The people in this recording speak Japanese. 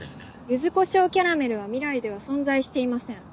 ゆずこしょうキャラメルは未来では存在していません。